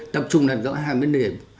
tập trung làm rõ hai vấn đề